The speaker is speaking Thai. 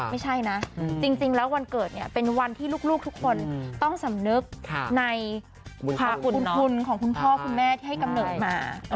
ไม่ใช่นะจริงแล้ววันเกิดเนี่ยเป็นวันที่ลูกทุกคนต้องสำนึกในบุญคุณของคุณพ่อคุณแม่ที่ให้กำเนิดมา